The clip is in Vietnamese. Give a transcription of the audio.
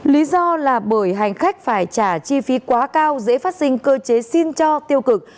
lý do là bởi hành khách phải trả chi phí quá cao dễ phát sinh cơ chế xin cho tiêu cực